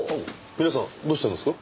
皆さんどうしたんですか？